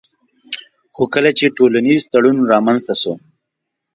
خو کله چي ټولنيز تړون رامنځته سو